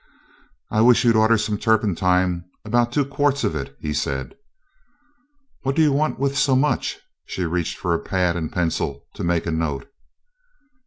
"I wisht you'd order some turpentine 'bout two quarts of it," he said. "What do you want with so much?" She reached for a pad and pencil to make a note.